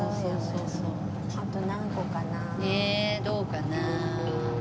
どうかな？